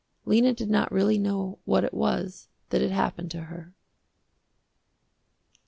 Lena did not really know what it was that had happened to her.